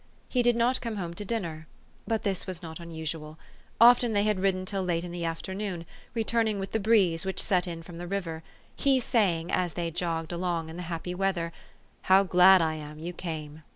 He did not come home to dinner; but this was not unusual. Often they had ridden till late in the afternoon, re turning with the breeze which set in from the river, he saying, as they jogged along in the happy weather, " How glad I am you came